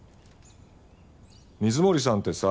水森さんってさ。